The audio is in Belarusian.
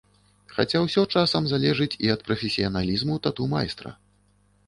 Хаця ўсё часам залежыць і ад прафесіяналізму тату-майстра.